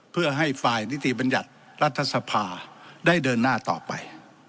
เพื่อให้ฝ่ายนิติบัญญัติรัฐสภาได้เดินหน้าต่อไป